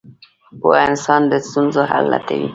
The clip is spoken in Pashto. • پوه انسان د ستونزو حل لټوي.